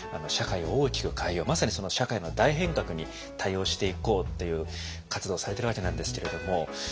社会を大きく変えようまさに社会の大変革に対応していこうという活動をされているわけなんですけれども。